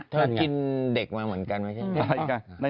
กินเด็กมาเหมือนกันไม่ใช่